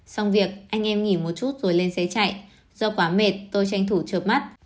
xong việc anh em nghỉ một chút rồi lên xe chạy do quá mệt tôi tranh thủ chợp mắt